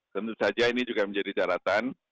tentu saja ini juga menjadi daratan